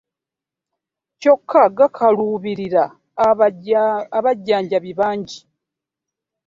Kyokka gakaluubirira abajjanjabi bangi.